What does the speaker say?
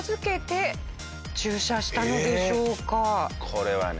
これはね。